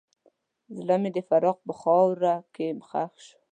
زړه مې د فراق په خاوره کې ښخ شو.